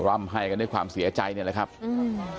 ร่ำให้กันด้วยความเสียใจเนี่ยแหละครับอืม